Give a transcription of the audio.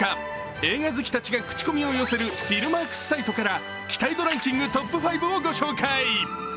映画好きたちが口コミを寄せるＦｉｌｍａｒｋｓサイトから期待度ランキングトップ５をご紹介。